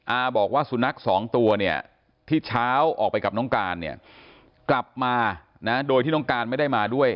อาบอกว่าสุนัขสองตัวเนี่ยที่เช้าออกไปกับน้องการเนี่ยกลับมานะโดยที่น้องการไม่ได้มาด้วย